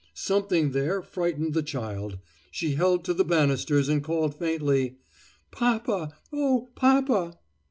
Something there frightened the child. She held to the banisters and called faintly: "Papa! Oh, papa!"